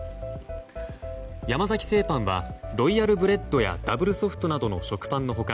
山崎製パンはロイヤルブレッドやダブルソフトなどの食パンの他